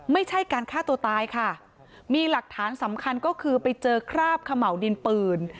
ไม่ใช่การฆ่าตัวตายค่ะมีหลักฐานสำคัญก็คือไปเจอคราบเขม่าวดินปืน